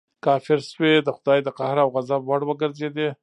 کافر شوې د خدای د قهر او غضب وړ وګرځېدې.